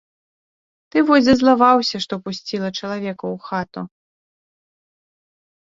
Ты вось зазлаваўся, што пусціла чалавека ў хату.